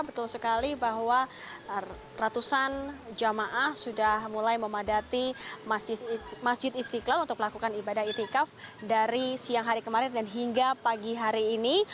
betul sekali bahwa ratusan jamaah sudah mulai memadati masjid istiqlal untuk melakukan ibadah itikaf dari siang hari kemarin dan hingga pagi hari ini